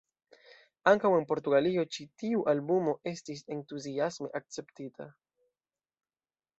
Ankaŭ en Portugalio ĉi tiu albumo estis entuziasme akceptita.